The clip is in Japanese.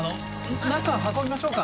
中運びましょうか。